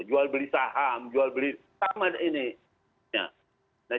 jual beli saham jual beli taman ini